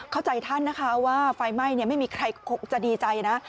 เข้าใจท่านนะคะว่าไฟไหม้ไม่มีใครคงจะดีใจนะ